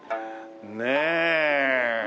ねえ。